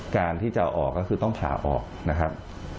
การที่จะออกก็คือต้องผ่าออกนะครับ